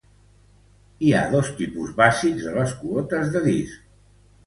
Hi ha dos tipus bàsics de les quotes de disc.